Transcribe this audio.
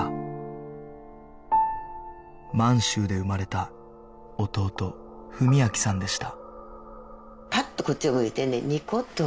満州で生まれた弟文明さんでした